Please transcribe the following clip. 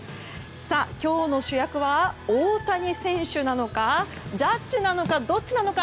今日の主役は大谷選手なのかジャッジなのか、どっちなのか？